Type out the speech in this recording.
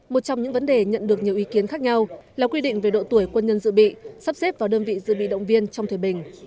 một trong những vấn đề nhận được nhiều ý kiến khác nhau là quy định về độ tuổi quân nhân dự bị sắp xếp vào đơn vị dự bị động viên trong thời bình